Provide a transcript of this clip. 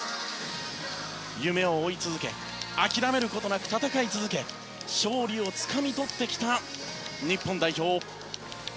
夢を追い続け諦めることなく戦い続け勝利をつかみ取ってきた日本代表。